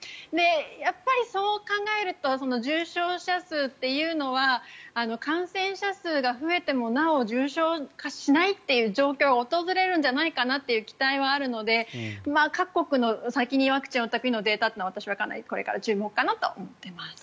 やっぱり、そう考えると重症者数というのは感染者数が増えてもなお重症化しないっていう状況が訪れるんじゃないかなという期待はあるので各国の先にワクチンを打った国のデータというのは私はかなりこれから注目かなと思っています。